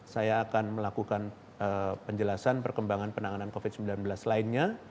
saya akan melakukan penjelasan perkembangan penanganan covid sembilan belas lainnya